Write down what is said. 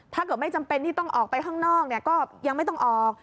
ถ้าเกิดไม่จำเป็นที่ต้องออกไปข้างนอกก็ยังไม่ต้องออก